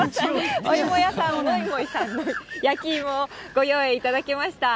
お芋屋さん、モイモイさんの焼き芋をご用意いただきました。